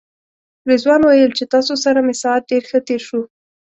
رضوان ویل چې تاسو سره مې ساعت ډېر ښه تېر شو.